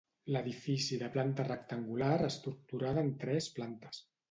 L'edifici de planta rectangular estructurada en tres plantes.